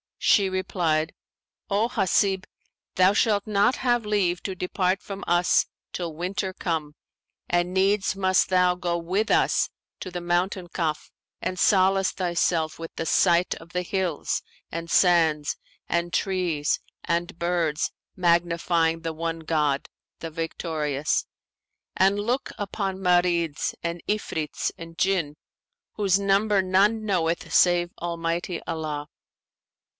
She replied, "O Hasib, thou shalt not have leave to depart from us till winter come, and needs must thou go with us to the Mountain Kaf and solace thyself with the sight of the hills and sands and trees and birds magnifying the One God, the Victorious; and look upon Marids and Ifrits and Jinn, whose number none knoweth save Almighty Allah."